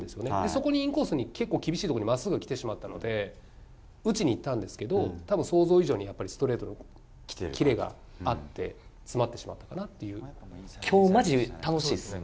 そこにインコースに、結構厳しい所にまっすぐ来てしまったので、打ちにいったんですけど、たぶん想像以上にやっぱりストレートにキレがあって、きょう、まじ楽しいっすね。